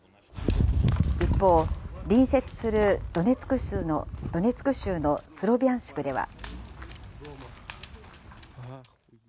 一方、隣接するドネツク州のスロビャンシクでは。